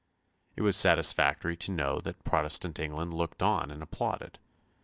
It was satisfactory to know that Protestant England looked on and applauded.